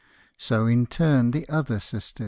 So in turn the other sisters.